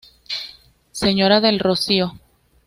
Sra.del Rocío.